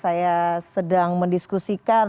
saya sedang mendiskusikan